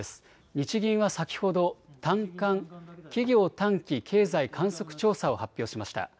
日銀は先ほど短観・企業短期経済観測調査を発表しました。